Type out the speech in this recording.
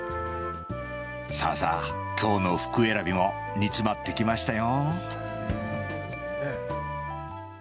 さあさあ、きょうの服選びも煮詰まってきましたよ。